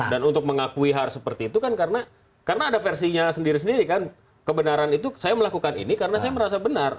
dan untuk mengakui hal seperti itu kan karena ada versinya sendiri sendiri kan kebenaran itu saya melakukan ini karena saya merasa benar